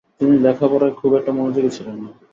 তিনি লেখাপড়ায় খুব একটা মনোযোগী ছিলেন না।